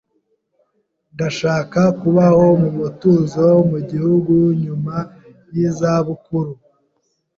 Ndashaka kubaho mu mutuzo mu gihugu nyuma yizabukuru.